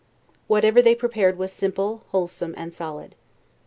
Whatever they prepared was simple, wholesome, and solid.